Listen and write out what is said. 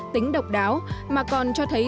tính độc đáo mà còn cho thấy